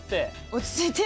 落ち着いて。